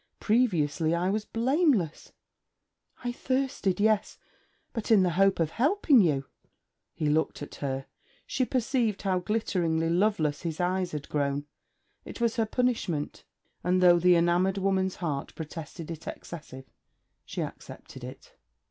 Previously I was blameless. I thirsted, yes; but in the hope of helping you.' He looked at her. She perceived how glitteringly loveless his eyes had grown. It was her punishment; and though the enamoured woman's heart protested it excessive, she accepted it.